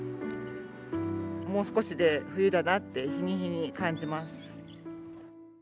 もう少しで冬だなって、日に日に感じます。